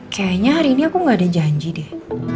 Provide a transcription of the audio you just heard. kayaknya hari ini aku gak ada janji deh